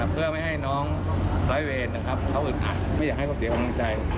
เพื่อไม่ให้น้องร้อยเวรนะครับเขาอึดอัดไม่อยากให้เขาเสียกำลังใจ